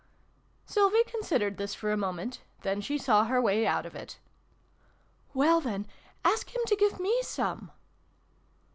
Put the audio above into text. Sylvie considered this for a moment : then she saw her way out of it. " Well, then, ask him to give me some